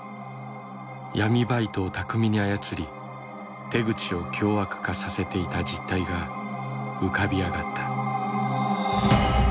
闇バイトを巧みに操り手口を凶悪化させていた実態が浮かび上がった。